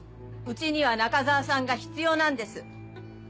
うちには中沢さんが必要なんです。